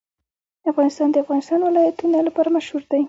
افغانستان د د افغانستان ولايتونه لپاره مشهور دی.